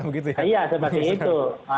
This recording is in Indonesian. begitu ya iya seperti itu